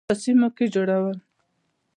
په سیمو کې جوړول.